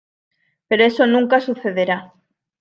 Pero eso nunca sucederá".